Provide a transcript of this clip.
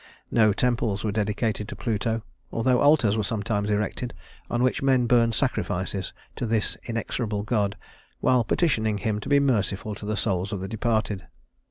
No temples were dedicated to Pluto, though altars were sometimes erected on which men burned sacrifices to this inexorable god while petitioning him to be merciful to the souls of the departed.